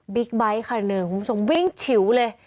ไบท์คันหนึ่งคุณผู้ชมวิ่งฉิวเลย